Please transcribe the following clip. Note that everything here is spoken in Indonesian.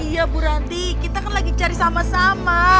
iya bu ranti kita kan lagi cari sama sama